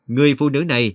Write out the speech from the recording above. người phụ nữ này